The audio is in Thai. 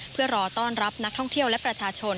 เพื่อรอต้อนรับนักท่องเที่ยวและประชาชน